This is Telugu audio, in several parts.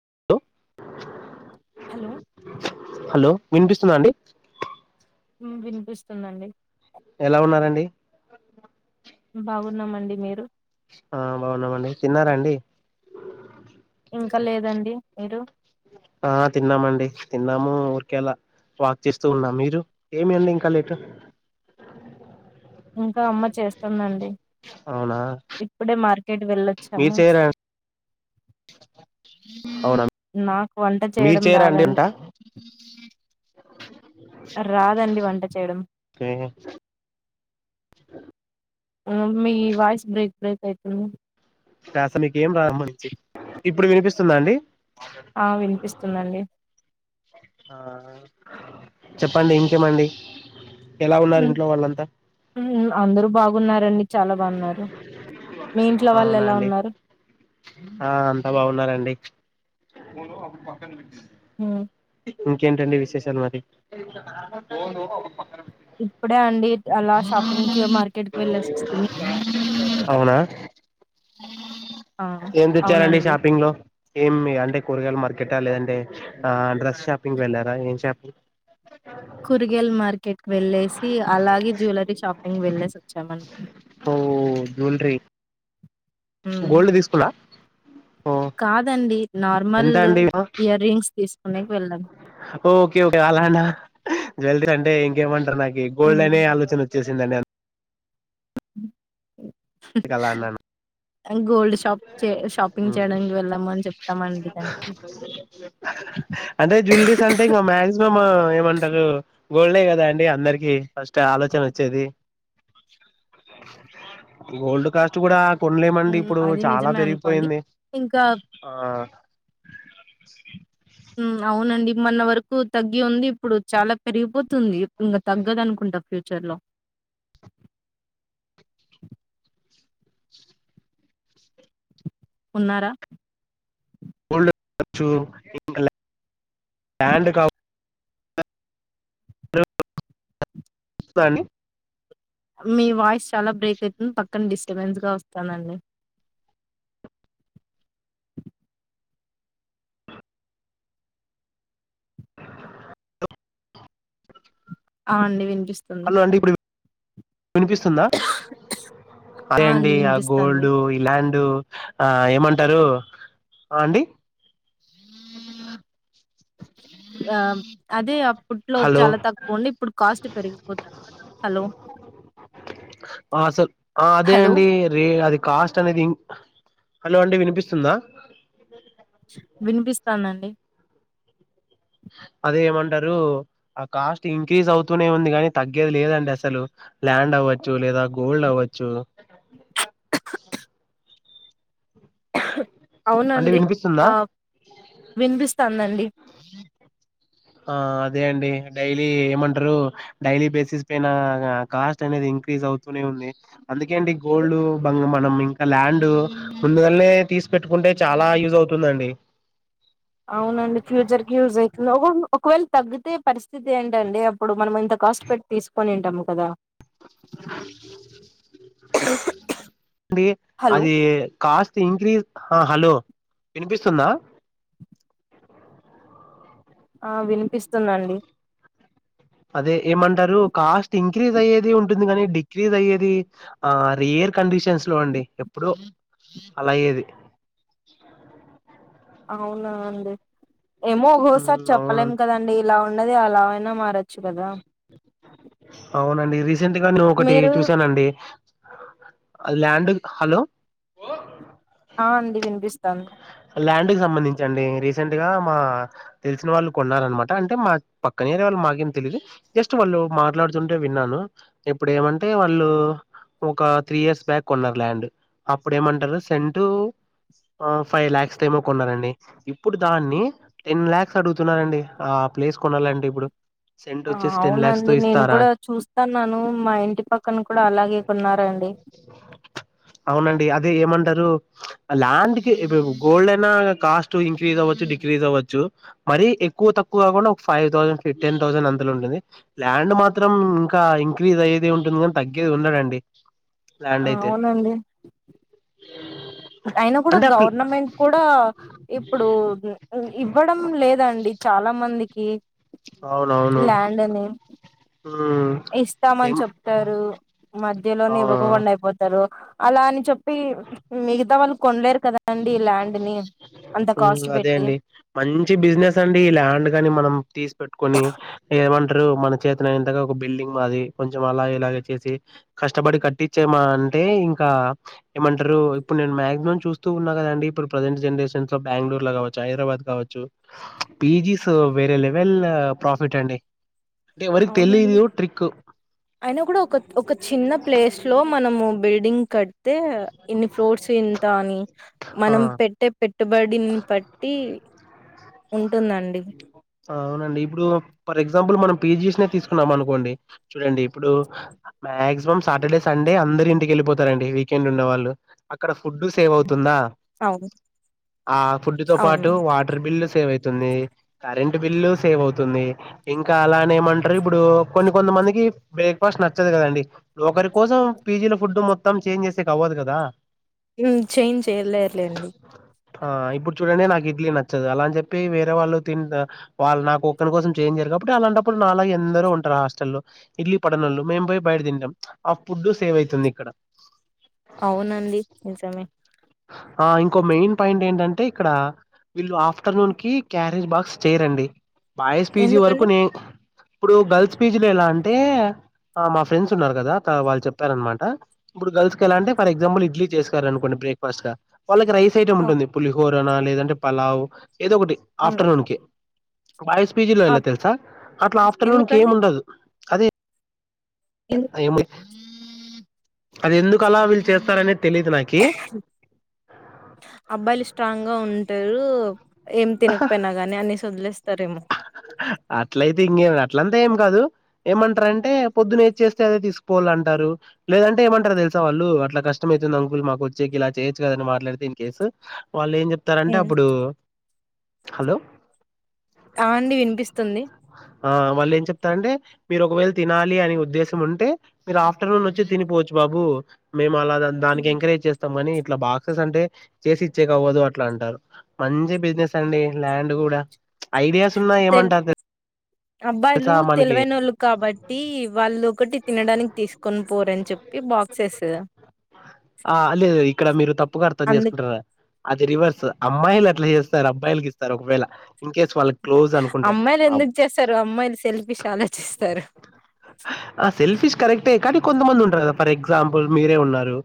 [inaudible] హలో వినిపిస్తుందండి హు వినిపిస్తుందండి ఎలా ఉన్నారండి బాగున్నామండి మీరు ఆ బాగున్నామండి తిన్నారాండి ఇంకా లేదండి మీరు ఆ తిన్నామండి తిన్నాము ఊరికే అలా వాక్ చేస్తూ ఉన్నా మీరు ఏమి అండి ఇంకా లేటు ఇంకా అమ్మ చేస్తుందండి అవునా ఇప్పుడే మా మార్కెట్ మీరు వెళ్ళొచ్చాము చేయరా అవునా నాకు వంట మీరు చేయడం చేయరా అండి రాదండి వంట రాదండి వంట చేయడం ఓకే మీ వాయిస్ బ్రేక్ బ్రేక్ అయితుంది వస మీకి ఏం రావ ఇప్పుడు వినిపిస్తుందా అండి ఆ వినిపిస్తుందండి ఆ చెప్పండి ఇంకేమండి ఎలా ఉన్నారు ఇంట్లో వాళ్ళంతా హుమ్ అందరు బాగున్నారండి చాలా బాగున్నారు మ అవునాండి ఆ అంతా బాగున్నారండి ఫోన్ అప్పుడు పక్కన పెట్టీ హ ఇంకేంటండి విశేషాలు మరి ఇప్పుడే అండి అలా షాపింగ్కి మార్కెట్కిి వెళ్ళేసి వస్తున అవునా ఏం తెచ్చారంండి అవునండి షాపింగ్ లో ఏమి అంటే కూరగాయలు మార్కెట లేదంటే ఆ డ్రెస్ షాపింగ్ వెళ్ళారా ఏం షాపింగ్ కూరగాయల మార్కెట్కి వెళ్ళేసి అలాగే జ్యువెలరీ షాపింగ్ వెళ్ళేసి వచ్చామం ఓ జ్యువెలరీ గోల్డ్ తీసుకుల్లా కాదండి నార్మల్ ఎంతాడి గ్రాం ఇయర్ రింగ్స్ తీసుకునేకి వెళ్ళాం. ఓకేఓకే అలానా జువలరీ అంటే ఇంకమంటర్ నాకు గోల్డ్ అనే హ్మ్. ఆలోచన వచ్చేసిందండి అ ందుకే అలా అన్నా అ గోల్డ్ షాప్ చే షాపింగ్ హ్మ్ చేయడానికి వెళ్ళాము అని చెప్తామండి దానికి. అంటే జ్యువలరీస్ అంటే ఇంకా మాక్సిమం ఏమంటరు గోల్డే కదా అండి అందరికి ఫస్ట్ ఆలోచన వచ్చేది ఓల్డ్ కాస్ట్ కూడా కొన్లేమండి హ్మ్. ఇప్పుడు అది నిజమే అనుకోండి పెరిగిపోయింది ఇంకా ఆ మన వరకు తగ్గి ఉంది ఇప్పుడు చాలా పెరిగిపోతుంది. ఇంకా తగ్గదు అనుకుంటా ఫ్యూచర్ లో ఉన్నారా చ్చు ఇంకా ల్యాండ్ కా [inaudible] స్తదా అండి మీ వాయిస్ చాల బ్రేక్ అయితుంది పక్కన డిస్ టబన్స్ గా వస్తాందండి ఆ అండి వినిపిస్తుంది హలో అండి ఇప్పుడు వినిపిస్తుందా అదే అండి ఆ గోల్డ్ ఈ ల్యాండ్ ఆ ఏమంటారు ఆ అండి ఆ అదే అప్పుట్లో హలో చాలా తక్కువుండి ఇప్పుడు కాస్ట్ పెరిగిపోతుంది హలో ఆ అసల్ ఆ అదే హలో అండి రే అది కాస్ట్ అనేది ఇం హలో అండి వినిపిస్తుందా వినిపిస్తాందండి అదే ఏమంటరు ఆ కాస్ట్ ఇంక్రీజ్ అవుతూనే ఉంది కాని తగ్గేది లేదండి అసలు ల్యాండ్ అవ్వచ్చు లేదా గోల్డ్ అవ్వచ్చు అంటే అవునండి వినిపిస్తుందా ఆ వినిపిస్తాందండి ఆ అదే అండి డైలీ ఏమంటారు డైలీ బేసిస్ పైన కాస్ట్ అనేది ఇంక్రీజ్ అవుతూనే ఉంది అందుకే అండి గోల్డ్ బ మనం ఇంకా ల్యాండ్ ముందుగాల్నే తీసి పెట్టుకుంటే చాలా యూజ్ అవుతుందండి అవునండి ఫ్యూచర్ కి యూజ అవుతుంది ఒకవేళ తగ్గితే పరిస్థితి ఏంటండి అప్పుడు మనం ఇంత కాస్ట్ పెట్టి తీసుకొనింటాము కదా అండి హలో అది కాస్ట్ ఇంక్రీజ్ హలో వినిపిస్తుందా ఆ వినిపిస్తుందండి అదే ఏమంటారు కాస్ట్ ఇంక్రీజ్ అయేది ఉంటుంది కానీ డిక్రీజ్ అయ్యేది ఆ రియర్ కడిషన్స్ లో అండి ఎప్పుడో అలా అయ్యేది అవునా అండి ఏమో ఉమ్, ఒకోసారి చెప్పలేం అవునండి కదండి ఇలా ఉండది అలా అైనా మార వచ్చికదా వి అర్జెంట్ గా నేను ఒకటే చూసానండీ అది ల్యాండ్ ది హలో ఆ అండి వినిపిస్తాను ల్యాండ్కి సంబంధించి అండి రీసెంట్గా మా తెలిసిన వాళ్ళు కొన్నరన్నమాట అంటే మా పక్కనే అరే వాళ్ళు మాకేం తెలిదు జస్ట్ వాళ్ళు మాట్లాడుతుంటె విన్నాను ఇప్పుడ ఏమంటే వాళ్ళు ఒక త్రీ ఇయర్స్ బ్యాక్ కొన్నారు ల్యాండ్ అప్పుడు ఏమంటారు సెంటు ఫైవ్ ల్యాక్స్ ఏమో కొన్నారండి ఇప్పుడు దాన్ని టెన్ ల్యాక్స్ అడుగుతున్నారండి ఆ ప్లేస్ కొనాలంటే ఇప్పుడు సెంట్ వచ్చేసి టెన్ ల్యాక్స్ అవునండి తో నేను ఇస్తారా కూడా చూస్తాన్నాను మా ఇంటి పక్కన కూడ అలాగె కొన్నరండి అవునండి అదే ఏమంటారు ల్యాండ్ గోల్డ్ అయినా కాస్ట్ ఇంక్రీజ్ అవ్వచ్చు డిక్రీజ్ అవ్వచ్చు మరీ ఎక్కువ తక్కువ కాకుండా ఒక ఫైవ్ థౌసండ్ ఫిఫ్టీన్ థౌసండ్ అంతలొ ఉంటుంది ల్యాండ్ మాత్రం ఇంకా ఇంక్రీజ్ అయేది ఉంటుంది కానీ తగ్గేది ఉండదండి ఆ ల్యాండ్ అయితే అవునండి అయినా కూడ అంటే అప్పుడు గవర్నమెంట్ కూడ ఇప్పుడు ఇవ్వడం లేదండి చాలా మంది కే అవునవును ల్యాండ్ ని ఉమ్ ఇస్తామని ఏం చెప్తారు మధ్యలోనే ఆ ఇవ్వకోకుండా అయిపోతారు అలా అని చెప్పి మిగతా వాళ్ళు కొనలేరు కదండి ల్యాండ్ ని అంత హుమ్ కాస్ట్ అదే పెట్టి అండి మంచి బిజినెస్ అండి ల్యాండ్ గాని మనం తీసు పెట్టుకొని ఏమంటరు మన చేతన ఇంతగా ఒక బిల్డింగ్ మాది కొంచెం అలాగ ఇలాగ చేసి కష్టపడి కట్టించేమా అంటే ఇంకా ఏమంటరు ఇప్పుడు నేను మక్సిమం చూస్ ఉన్నా కదండి ఇప్పుడు ప్రజెంట్ జనరేషన్స్ లో బెంగళూర్ లొ కావచ్చు హైదరాబాద్ కావచ్చు పీజీస్ లొ వేరె లెవెల్ ప్రాఫిట్ అండి అంటే ఎవరికి అవునండి తెలీదు ట్రిక్ అయినా కూడ ఒక ఒక చిన్న ప్లేస్ లొ మనము బిల్డింగ్ కడితే ఇన్ని ఫ్లోర్స్ ఇంత అని ఆ మనం పెట్టే పెట్టుబడిని బట్టి [unintelligible] అవునండి ఇప్పుడు ఫర్ ఎగ్జాంపుల్ మనం పీజిస్ లొ తీసుకున్నాం అనుకోండి చూడండి ఇప్పుడు మాక్సిమం సాటర్డే సండే అందరు ఇంటికి వెళ్ళిపోతారండి వీకెండ్ ఉన్నవాళ్ళు అక్కడ ఫుడ్ సేవ్ అవు తుందా అవును ఆ ఫుడ్ తో అవును పాటు వాటర్ బిల్లు సేవై తుంది కరెంట్ బిల్లు సేవ్ అవుతుంది ఇంకా అలానె ఏమంటారు ఇప్పుడు కొన్ని కొంత మందికి బ్రేక్ఫాస్ట్ నచ్చదు కదండి ఒకరి కోసం పీజీల ఫుడ్ మొత్తం చేంజ్ చేసేకి అవ్వదు కదా హుం చేంజ్ చేయలేర్లేండి ఆ ఇప్పుడు చూడండి నాకు ఇడ్లీ నచ్చదు అలా అని చెప్పి వేరేవాళ్ళు తి వాళ్ళు నాకు ఒక్కని కోసం చేంజ్ చెయ్యరు కాబట్టి అలాంటప్పుడు నాలాగ ఎందరొ ఉంటారు ఆ హాస్టల్లో ఇడ్లీ పడనోళ్ళు మేం పోయి బయట తింటాం ఆ ఫుడ్ సేవ్ అవుతుంది ఇక్కడ అవునండి నిజమే ఆ ఇంకో మెయిన్ పాయింట్ ఏంటంటే ఇక్కడ వీళ్ళు ఆఫ్టర్నూన్ కి క్యారీ బా స్టే రండి బాయ్స్ పీజీ వరకు ఎందుకండి నే ఇప్పుడు గర్ల్స్ పీజీ లొ ఎలా అంటె మా ఫ్రెండ్స్ ఉన్నారు కదా వాళ్ళు చెప్పారనమాట ఇప్పుడు గర్ల్స్ కి ఎలా అంటె ఫర్ ఎగ్జాంపుల్ ఇడ్లీ చేసారునుకోండి బ్రేక్ఫాస్ట్ గా వాళ్ళకి రైస్ ఐటమ్ అవ్ ఉంటుంది పులిహో పనా లేదంటె పలావ్ ఏదో ఒకటి ఉమ్ ఆఫ్టర్నూన్ కి బాయ్స్ పీజీ లొ ఎలా అబ్ తెలుసా అట్ల ఆఫ్టర్నూన్ కి ఏం ఎందుకండి ఉండదు అదే ఎ [unintelligible] ఏమో అది ఎందు కలా వీళ్ళు చేస్తారనేది తెలీదు నాకి రు ఏం తినకపోయినా గానీ అనేస్ వదిలేస్తా అట్లయితే ఇంకేం అ ట్లంతా ఏం కాదు ఏమంటారంటే పొద్దున్న ఏచ చేస్తే అదే తీసుకోవాల అంటారు లేదంటే ఏమంటారు తెలుసా వాళ్ళు అట్లా కష్టమవుతుంది అంకుల్ మాకు వచ్చేకి ఇలా చేయొచ్చు కదని మాట్లాడితే ఇన్ కేసు వాళ్ళు ఏం చెప్తారంటే ఉమ్ అప్పుడు హలో అ అండి విన్పిస్తుంది ఆ వాళ్ళు ఏం చెప్తారంటే మీరు ఒకవేళ తినాలి అని ఉద్దేశం ఉంటే మీరు ఆఫ్టర్నూన్ వచ్చి తినిపోవచ్చు బాబు మే మలాగ దానికి ఎంకరేజ్ చేస్తాము గాని అట్లా బాక్సెస్ అంటే చేసిచ్చే కవ్వదు అట్లా అంటారు మంచి బిజినెస్ అండి ల్యాండ్ కూడా ఐడియాస్ స్తున్నా తెల్ ఏమంటారు అబ్బాయిలు తెలుసా మనకి తెలివైనోళ్ళు కాబట్టి వాళ్ళు ఒకటి తినడానికి తీసుకొని పోరని చెప్పు ఆ లేదు ఇక్కడ మీరు తప్పుగా అర్థం అందు చేసుకుంటారా అది రివర్స్ అమ్మాయిలు అట్ల చేస్తారు అబ్బాయిలకి ఇస్తారు ఒకవేళ ఇన్ కేస్ వాళ్ళ క్లోజ్ అనుకుంటే అమ్మాయిలు ఎందుకు చేస్తారు అమ్మాయిలు సెల్ఫిష్ ఆలోచిస్తారు ఆ సెల్ఫిష్ కరెక్టే కానీ కొంత మంది ఉంటరు కదా ఫర్ ఎగ్జాంపుల్ మీరే ఉన్నారు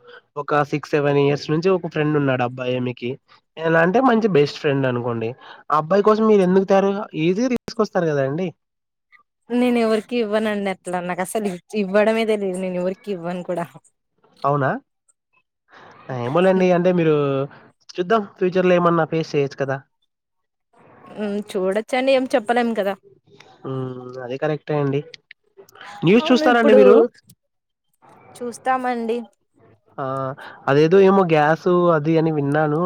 ఒక సిక్స్ సెవెన్ ఇయర్స్ నుంచి ఒక ఫ్రెండ్ ఉన్నాడు అబ్బాయి మీకి ఎలా అంటే మంచి బెస్ట్ ఫ్రెండ్ అనుకోండి ఆ అబ్బాయి కోసం మీరు ఎందుకు తారు ఈజీగా తీసుకొస్తారు కదండి. నేను ఎవరికి ఇవ్వనండి అట్లా నాకు అసలు ఇవ్వడమే తెలీదు నేను ఎవరికి ఇవ్వను కూడా అవునా ఏమోలేండి అంటే మీరు చూద్దాం ఫ్యూచర్ లో ఏమన్నా ఫేస్ చేయొచ్చు కదా హ్మ్ చూడొచ్చండి ఏం చెప్పలేం కదా మ్మ్ అది కరెక్టే అండి న్యూస్ అవును చూస్తారండి ఇప్పుడు మీరు చూస్తామండి ఆ అదేదో ఏమో గ్యాసు అది అని విన్నాను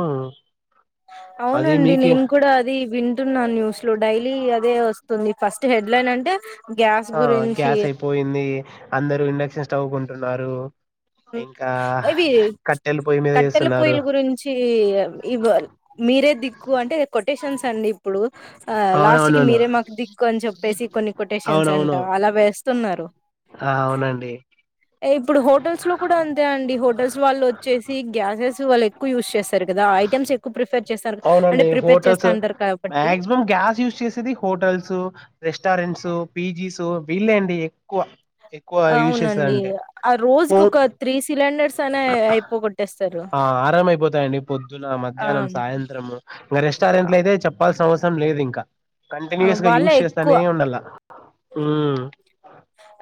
అది అవునండి మీకే నేను కూడా అది వింటున్నా న్యూస్ లో డైలీ అదే వస్తుంది ఫస్ట్ హెడ్ లైన్ అంటే గ్యాస్ ఆ గురించి గ్యాస్ అయిపోయింది అందరూ ఇండక్షన్ స్టవ్ కొంటు మారు ఇవి పొయ్యి మీద కట్టెల చేస్తున్నారు పొయ్యల గురించి ఇ మీరే దిక్కు అంటే కొటేషన్స్ అండి ఇప్పుడు ఆ లాస్ట్ కి అవునవునవును మీరే మాకు దిక్కు అని చెప్పేసి కొన్ని కొటేషన్స్ అవునవును అంటా అలా వేస్తున్నారు ఆ అవునండి ఇప్పుడు హోటల్స్ లో అండి హోటల్స్ వాళ్ళు వచ్చేసి గ్యాసెస్ వాళ్ళు ఎక్కువ యూస్ చేస్ స్తారు కదా ఐటమ్స్ ఎక్కువ ప్రిపేర్ చేస్తారు అవునండి అంటే చేస్తా హోటల్స్ అంటారు కాబట్టి మాగ్జిమం గ్యాస్ యూజ్ చేసేది హోటల్స్ రెస్టారెంట్స్ పీజీస్ వీళ్లే అండి ఎక్కువ ఎక్కువ యూజ్ అవునండి చేసేదంటే ఆ రోజుకి హోమ్ ఒక త్రీ సిలిండర్స్ అనే అయిపోగొట్టేస్తారు ఆ అ సాయంత్రం ఇంక రెస్టారెంట్ లో అయితే చెప్పల్సిన అవస సం లేదు ఇంకా ఆ కంటిన్యూస్ గా వాళ్ళే యూజ్ ఎక్కువ చేస్తానే ఉండల్ల హ్మ్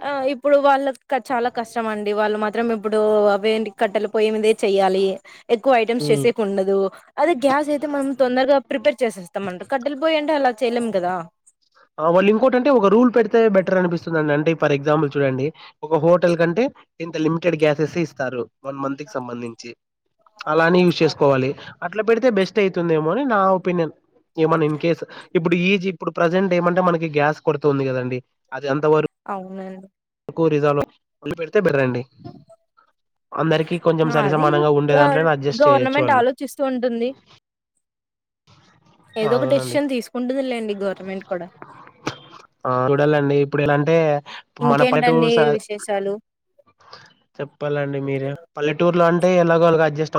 ఆ ఇప్పుడు వాళ్ళ చాలా కష్టమండి వాళ్ళు మ మాత్రం ఇప్పుడు అవేంటి కట్టెలు పొయ్యిమిందే చెయ్యాలి ఎక్కువ ఐటమ్స్ ఉమ్ చేసేకి ఉండదు అదే గ్యాస్ అయితే మనం తొందరగా ప్రిపేర్ చేసేస్తాం అంట కట్టలి పోయి అంటే అలా చెల్ం కదా వాళ్ళు ఇంకోటింటే ఒక రూల్ పెడితే బెటర్ అనిపిస్తుందిండి అంటే ఫర్ ఎగ్జాంపుల్ చూడండి ఒక హోటల్ కంటే ఇంత లిమిటెడ్ గ్యాసెస్ ఇస్తారు వన్ మంత్ కి సంబంధించి అలానే యూస్ చేసుకోవాలి అట్లా పెడితే బెస్ట్ అవుతుందేమో అని నా ఒపీనియన్ ఏమన్నా ఇన్ కేస్ ఇప్పుడు ఈజ్ ఇప్పుడు ప్రజెంట్ ఏమంటే మనకి గ్యాస్ కొడుతుంది కదండి అది అంత అవునండి కోరుదాల అతే బెటర్ అండి అందరికీ కొంచెం ఆ సరి అది సమానంగా ఉండే ఆ దాంట్లో అడ్జస్ట్ చేయొచ్చు గవర్నమెంట్ వాళ్ళు ఆలోచిస్తూ ఉంటుంది ఏదో ఒక అవునండి. డెసిషన్ తీసుకుంటుందిలేండి గవర్నమెంట్ కూడా ప మన పల్లెటూరు ఇంకేంటండి స విశేషాలు చెప్పాలండి మీరు పల్లెటూరులో అంటే ఎలాగ అల అడ్జెస్ట్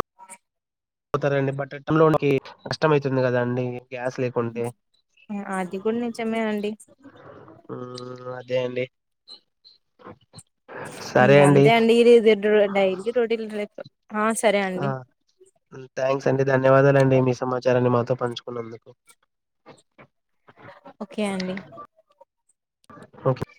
పోతారండి బట్టటంలోకి కష్టం అవుతుంది కదా అండి గ్యాస్ లేకుంటే అది కూడా నేను నిజమ నండి మ్మ్ అదే అండి ఇంకా అంతే అండి ఇరి ఇది డైలీ రోటిన్ లైఫ్ ఆ సరే ఆ అండి థ్యాంక్స్ అండి ధన్యవాదాలు అండి మీ సమాచారాన్ని మాతోం పంచుకున్నందుకు ఓకే అండి ఓకే